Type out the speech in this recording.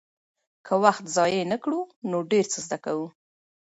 که وخت ضایع نه کړو نو ډېر څه زده کوو.